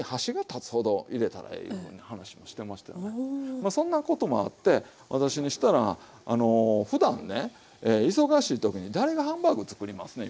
まあそんなこともあって私にしたらふだんね忙しい時に誰がハンバーグ作りますねんいう話です。